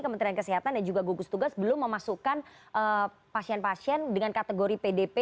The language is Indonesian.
kementerian kesehatan dan juga gugus tugas belum memasukkan pasien pasien dengan kategori pdp